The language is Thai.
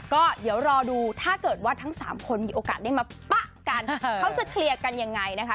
ก็เดี๋ยวรอดูถ้าเกิดว่าทั้ง๓คนมีโอกาสได้มาปะกันเขาจะเคลียร์กันยังไงนะคะ